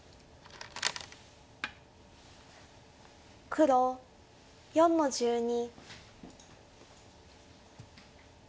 黒４の十二。